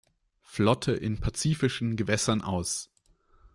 Flotte in pazifischen Gewässern aus.